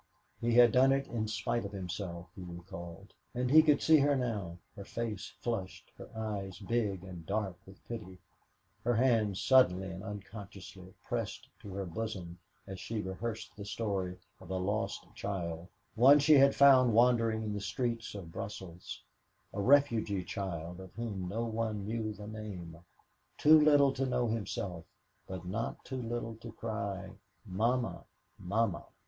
He had done it in spite of himself, he recalled. And he could see her now, her face flushed, her eyes big and dark with pity, her hands suddenly and unconsciously pressed to her bosom as she rehearsed the story of a lost child one she had found wandering in the streets of Brussels a refugee child of whom no one knew the name too little to know it himself, but not too little to cry, "Mamma! Mamma!"